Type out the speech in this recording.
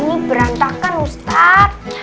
ini berantakan ustadz